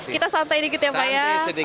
kita santai dikit ya pak ya